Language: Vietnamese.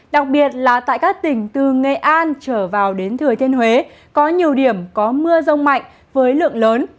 đặc biệt là tại các tỉnh từ nghệ an trở vào đến thừa thiên huế có nhiều điểm có mưa rông mạnh với lượng lớn